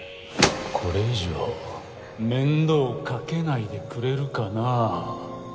これ以上面倒かけないでくれるかな？